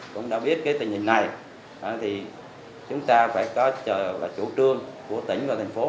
cũng đã biết cái tình hình này thì chúng ta phải có chủ trương của tỉnh và thành phố